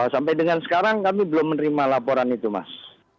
sampai dengan sekarang kami belum menerima laporan itu mas